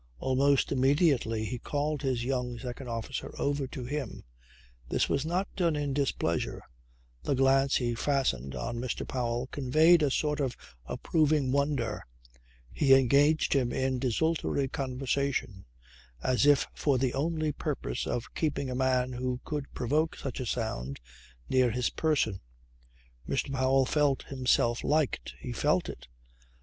Almost immediately he called his young second officer over to him. This was not done in displeasure. The glance he fastened on Mr. Powell conveyed a sort of approving wonder. He engaged him in desultory conversation as if for the only purpose of keeping a man who could provoke such a sound, near his person. Mr. Powell felt himself liked. He felt it.